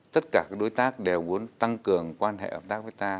tất cả các đối tác đều muốn tăng cường quan hệ hợp tác với ta